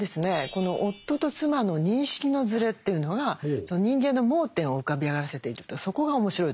この夫と妻の認識のずれというのが人間の盲点を浮かび上がらせているとそこが面白いと思います。